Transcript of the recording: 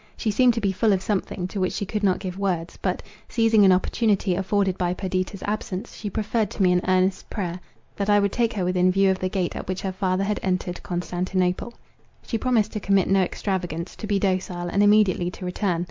She seemed to be full of something to which she could not give words; but, seizing an opportunity afforded by Perdita's absence, she preferred to me an earnest prayer, that I would take her within view of the gate at which her father had entered Constantinople. She promised to commit no extravagance, to be docile, and immediately to return.